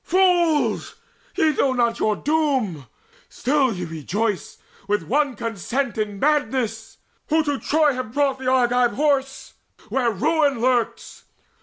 Fools! ye know not your doom: still ye rejoice With one consent in madness, who to Troy Have brought the Argive Horse where ruin lurks!